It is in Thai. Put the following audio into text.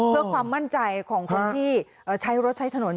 เพื่อความมั่นใจของคนที่ใช้รถใช้ถนน